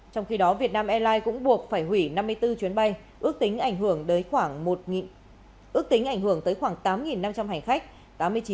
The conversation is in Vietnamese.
trong khi đó việt nam airlines cũng buộc phải hủy năm mươi bốn chuyến bay ước tính ảnh hưởng tới khoảng tám năm trăm linh hành khách